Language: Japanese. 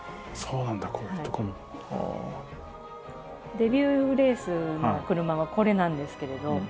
デビューレースの車はこれなんですけれど。